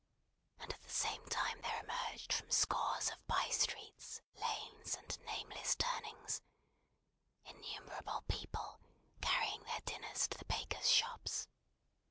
And at the same time there emerged from scores of bye streets, lanes, and nameless turnings, innumerable people, carrying their dinners to the bakers' shops.